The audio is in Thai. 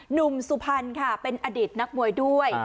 สุพรรณค่ะเป็นอดีตนักมวยด้วย